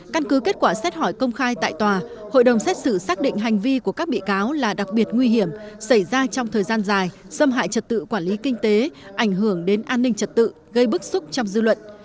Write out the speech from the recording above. căn cứ kết quả xét hỏi công khai tại tòa hội đồng xét xử xác định hành vi của các bị cáo là đặc biệt nguy hiểm xảy ra trong thời gian dài xâm hại trật tự quản lý kinh tế ảnh hưởng đến an ninh trật tự gây bức xúc trong dư luận